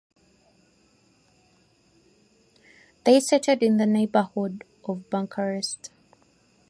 They settled in the neighborhood of Bucharest.